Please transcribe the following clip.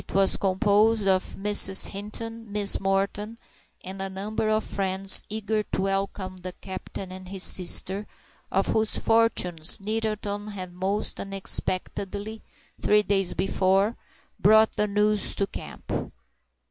It was composed of Mrs. Hinton, Miss Morton and a number of friends eager to welcome the captain and his sister, of whose fortunes Nettleton had most unexpectedly, three days before, brought the news to camp.